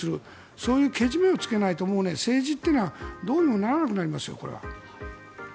そういうけじめをつけないともう政治というのはどうにもならなくなりますよ。